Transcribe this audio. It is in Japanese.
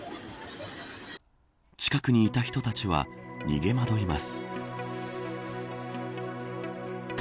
近くにいた人たちは逃げ惑います。